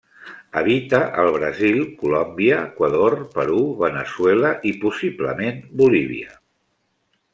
Habita al Brasil, Colòmbia, Equador, Perú, Veneçuela i possiblement Bolívia.